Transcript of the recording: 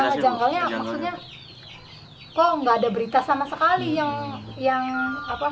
masalah jangkaunya maksudnya kok nggak ada berita sama sekali yang apa